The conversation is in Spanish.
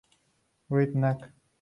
Red Nac.